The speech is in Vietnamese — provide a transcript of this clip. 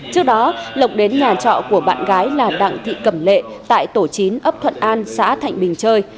trước đó lộc đến nhà trọ của bạn gái là đặng thị cẩm lệ tại tổ chín ấp thuận an xã thạnh bình chơi